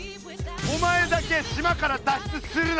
お前だけ島から脱出するな！